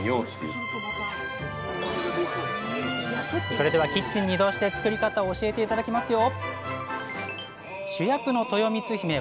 それではキッチンに移動して作り方を教えて頂きますよ！